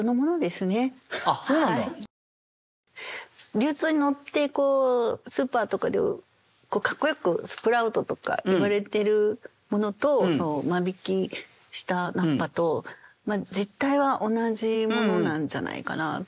流通に乗ってスーパーとかでかっこよくスプラウトとかいわれているものと間引きした菜っ葉と実体は同じものなんじゃないかなと思いますね。